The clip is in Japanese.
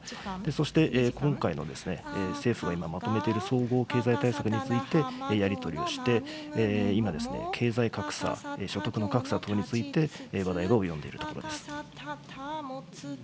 そして今回の政府が今まとめている、総合経済対策について、やり取りをして、今ですね、経済格差、所得の格差等について、話題が及んでいるところです。